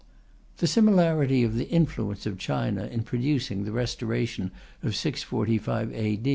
The similarity of the influence of China in producing the Restoration of 645 A.